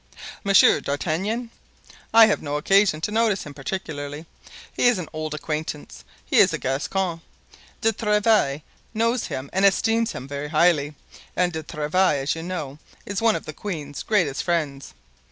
"Monsieur d'Artagnan? I have had no occasion to notice him particularly; he's an old acquaintance. He's a Gascon. De Tréville knows him and esteems him very highly, and De Tréville, as you know, is one of the queen's greatest friends.